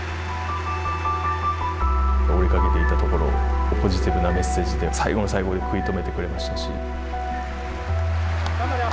追いかけていたところをポジティブなメッセージで、最後の最後、待ってるから。